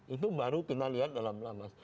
itu baru kita lihat dalam lama